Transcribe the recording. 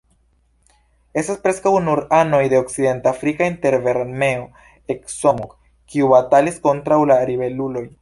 Estas preskaŭ nur anoj de okcidentafrika interven-armeo Ecomog, kiu batalis kontraŭ la ribeluloj.